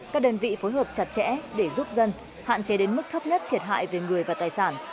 các đơn vị phối hợp chặt chẽ để giúp dân hạn chế đến mức thấp nhất thiệt hại về người và tài sản